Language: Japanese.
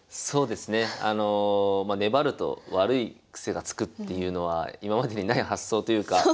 そうですねあの粘ると悪い癖がつくっていうのは今までにない発想というか。